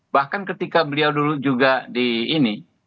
bahkan ketika beliau dulu juga di ini